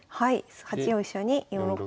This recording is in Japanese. ８四飛車に４六角。